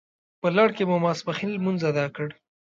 په لړ کې مو ماپښین لمونځ اداء کړ.